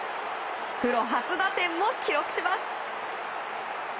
プロ初打点も記録します。